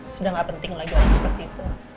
sudah gak penting lagi orang seperti itu